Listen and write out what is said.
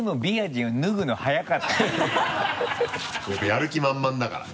やる気満々だから。